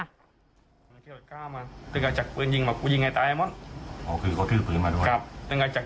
อย่างนั้นสิทธิ์ผมเค้ายิงแน่